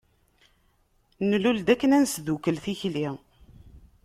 Nlul-d akken ad nesdukkel tikli.